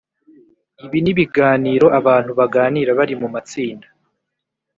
ibi ni biganiro abantu baganira bari mu matsinda